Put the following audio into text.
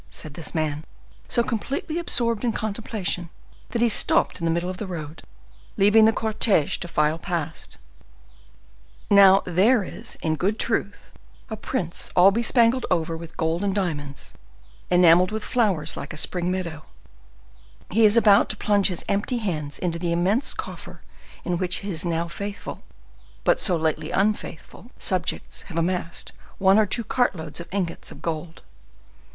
said this man, so completely absorbed in contemplation that he stopped in the middle of the road, leaving the cortege to file past. "Now, there is, in good truth, a prince all bespangled over with gold and diamonds, enamelled with flowers like a spring meadow; he is about to plunge his empty hands into the immense coffer in which his now faithful—but so lately unfaithful—subjects have amassed one or two cartloads of ingots of gold.